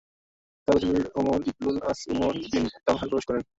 তার পেছনে Amr Ibnul As এবং উসমান বিন তালহা প্রবেশ করেন।